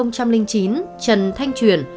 trần thanh truyền